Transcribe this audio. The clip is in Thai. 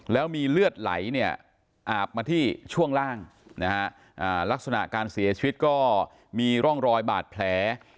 แล้วมีเลือดไหลเนี่ยอาบมาที่ช่วงล่างนะฮะลักษณะการเสียชีวิตก็มีร่องรอยบาดแผล